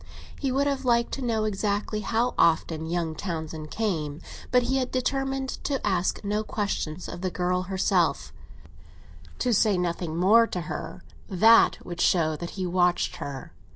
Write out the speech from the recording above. He would have liked to know exactly how often young Townsend came; but he had determined to ask no questions of the girl herself—to say nothing more to her that would show that he watched her.